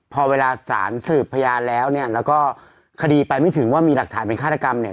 พอเวลาสารสืบพยานแล้วเนี่ยแล้วก็คดีไปไม่ถึงว่ามีหลักฐานเป็นฆาตกรรมเนี่ย